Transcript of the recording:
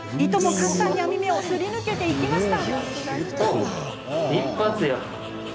簡単に網目をすり抜けていきました。